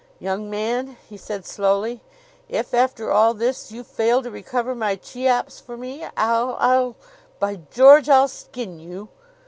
"Young man," he said slowly, "if, after all this, you fail to recover my Cheops for me I'll I'll By George, I'll skin you!"